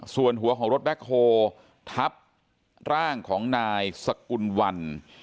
ส่วนหัวของรถแบ็คโฮทับร่างของนายสกุลวัน